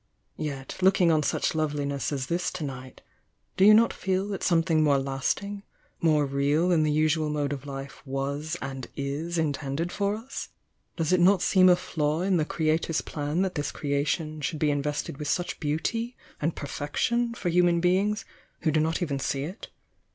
Yet, looking on such loveliness as this to night, do you not feel that something more lasting, more real than the usual mode of life was and is intended for us? Does it not seem a flaw in the Creator's plan that this creation should be invested with such beauty and perfection for human beings who do not even see it?